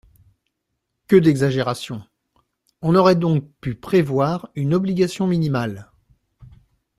Que d’exagération ! On aurait donc pu prévoir une obligation minimale.